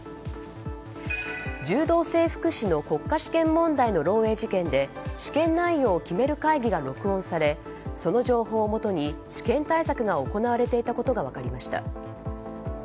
柔道整復師の国家試験問題の漏洩事件で試験内容を決める会議が録音されその情報をもとに試験対策が行われていたことが分かりました。